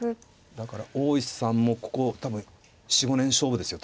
だから大石さんもここ多分４５年勝負ですよ